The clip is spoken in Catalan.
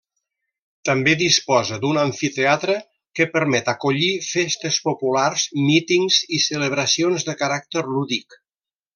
També disposa d'un amfiteatre que permet acollir festes populars, mítings i celebracions de caràcter lúdic.